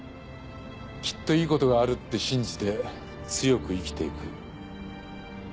きっといいことがあるって信じて強く生きていく。